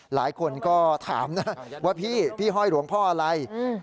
หลายคนก็ถามนะว่าพี่พี่ห้อยหลวงพ่ออะไร